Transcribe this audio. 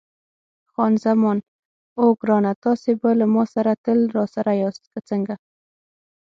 خان زمان: اوه ګرانه، تاسي به له ما سره تل راسره یاست، که څنګه؟